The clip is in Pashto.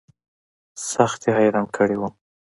سخت يې حيران کړى وم.